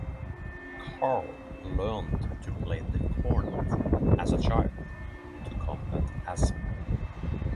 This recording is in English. Carl learned to play the cornet, as a child, to combat asthma.